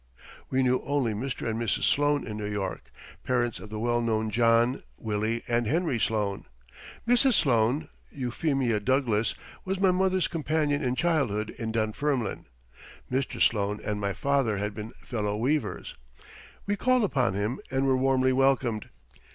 We knew only Mr. and Mrs. Sloane in New York parents of the well known John, Willie, and Henry Sloane. Mrs. Sloane (Euphemia Douglas) was my mother's companion in childhood in Dunfermline. Mr. Sloane and my father had been fellow weavers. We called upon them and were warmly welcomed.